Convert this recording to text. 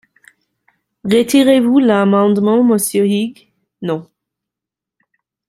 Retirez-vous l’amendement, monsieur Huyghe ? Non.